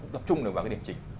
đập trung được vào cái điểm chính